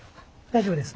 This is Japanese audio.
大丈夫です。